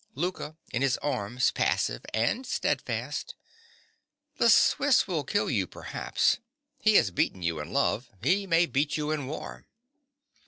LOUKA. (in his arms, passive and steadfast). The Swiss will kill you, perhaps. He has beaten you in love. He may beat you in war.